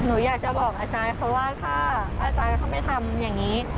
หนูอยากจะบอกอาจารย์เขาว่าถ้าอาจารย์เขาไม่ทำอย่างนี้